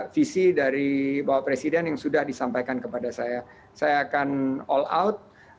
visi dari bapak presiden yang sudah disampaikan kepada saya saya akan all out